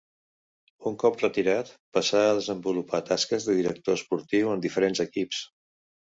Un cop retirat passà a desenvolupar tasques de director esportiu en diferents equips.